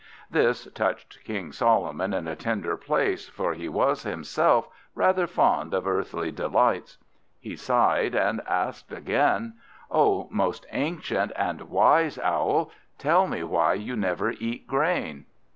This touched King Solomon in a tender place, for he was himself rather fond of earthly delights. He sighed, and asked again "O most ancient and wise Owl! tell me why you never eat grain?"